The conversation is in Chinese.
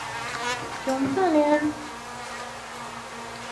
李可灼发戍边疆。